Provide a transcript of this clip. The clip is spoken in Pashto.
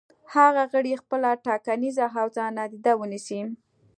هغه غړي خپله ټاکنیزه حوزه نادیده ونیسي.